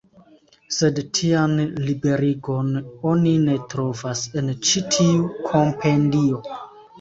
Sed tian liberigon oni ne trovas en ĉi tiu Kompendio.